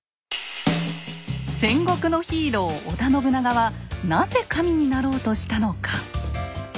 戦国のヒーロー織田信長はなぜ神になろうとしたのか？